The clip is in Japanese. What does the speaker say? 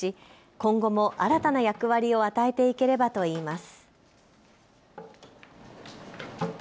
今後も新たな役割を与えていければといいます。